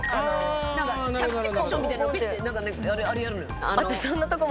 着地クッションみたいなのぴってあれやるのよ。